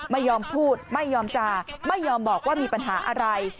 ไม่ยอมพูดไม่ยอมจาไม่ยอมบอกว่ามีปัญหาอะไร